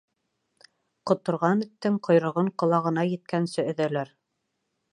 Ҡоторған эттең ҡойроғон ҡолағына еткәнсе өҙәләр.